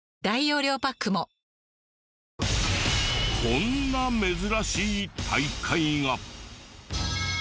こんな珍しい大会が。